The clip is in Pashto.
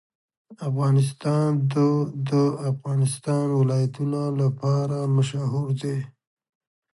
افغانستان د د افغانستان ولايتونه لپاره مشهور دی.